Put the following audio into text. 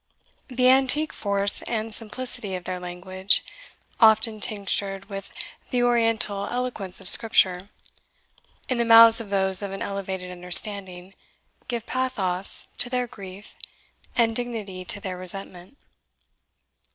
The antique force and simplicity of their language, often tinctured with the Oriental eloquence of Scripture, in the mouths of those of an elevated understanding, give pathos to their grief, and dignity to their resentment.